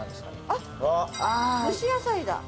あっ蒸し野菜だ。